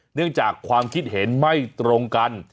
เนื่องจากความคิดเห็นไม่ตรงกัน